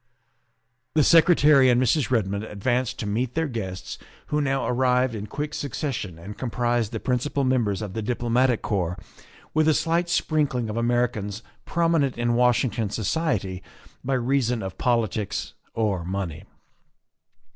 The Secretary and Mrs. Redmond advanced to meet their guests, w r ho now arrived in quick succession and comprised the principal members of the Diplomatic Corps with a slight sprinkling of Americans prominent in Washington society by reason of politics or money.